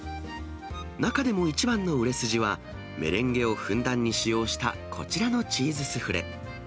中でも一番の売れ筋は、メレンゲをふんだんに使用したこちらのチーズスフレ。